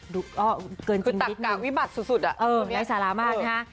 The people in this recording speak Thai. ดูก็เกินจริงนิดนึงคือตักกากวิบัตรสุดอะได้สาระมากนะคะ